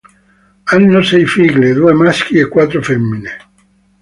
Hanno sei figli, due maschi e quattro femmine.